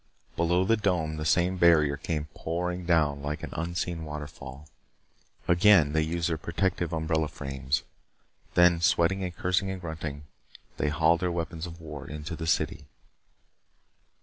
Below the dome, the same barrier came pouring down like an unseen waterfall. Again they used their protective umbrella frames. Then, sweating and cursing and grunting, they hauled their weapons of war into the city.